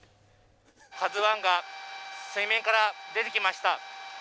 「ＫＡＺＵⅠ」が水面から出てきました。